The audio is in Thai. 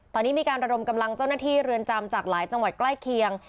ตอนนี้มีการระดมกำลังเจ้าหน้าที่เรือนจำจากหลายจังหวัดใกล้เคียง